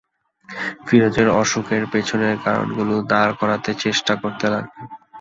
ফিরোজের অসুখের পেছনের কারণগুলো দাঁড় করাতে চেষ্টা করতে লাগলেন।